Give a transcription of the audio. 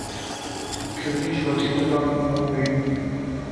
König von Dänemark und Norwegen.